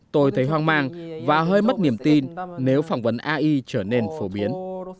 tôi thấy hoang mang và hơi mất niềm tin nếu phỏng vấn ai trở nên phổ biến